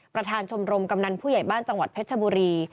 ประธานชมรมกำนันผู้ใหญ่บ้านจังหวัดเพชรบุรี